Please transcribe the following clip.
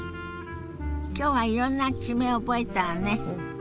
今日はいろんな地名を覚えたわね。